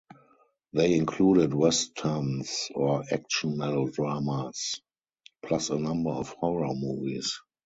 They included westerns or action melodramas, plus a number of horror movies.